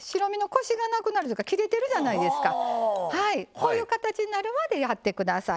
こういう形になるまでやって下さい。